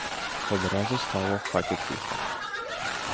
Одразу стало в хаті тихо.